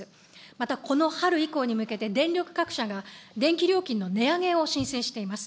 またこの春以降に向けて、電力各社が電気料金の値上げを申請しています。